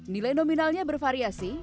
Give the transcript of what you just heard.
nilai nominalnya bervariasi